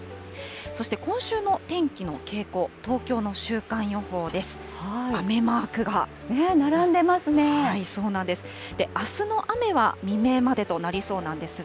そして今週の天気の傾向、東京の週間予報です。